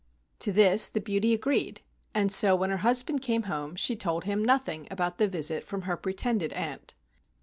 To this the beauty agreed, and so when her husband came home she told him nothing about the visit from her pretended aunt.